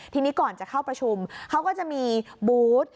ทีนี้ก่อนจะเข้าประชุมเขาก็จะมีบูธ